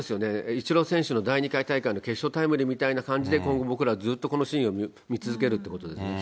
イチロー選手の第２回大会の決勝タイムリーみたいな感じで、僕ら、ずっとこのシーンを見続けるってことですよね。